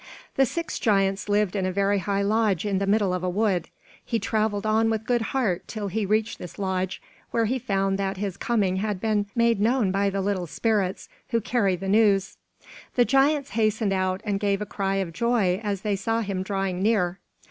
The six giants lived in a very high lodge in the middle of a wood. He traveled on with good heart till he reached this lodge, where he found that his coming had been made known by the little spirits who carry the news. The giants hastened out and gave a cry of joy as they saw him drawing near.